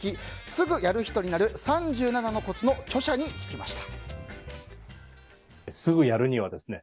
「すぐやる人になる３７のコツ」の著者に聞きました。